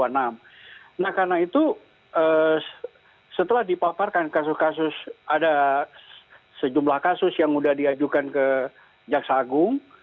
nah karena itu setelah dipaparkan kasus kasus ada sejumlah kasus yang sudah diajukan ke jaksa agung